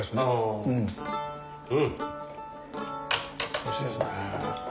おいしいですね。